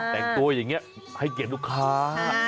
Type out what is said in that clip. แต่งตัวอย่างนี้ให้เกียรติลูกค้า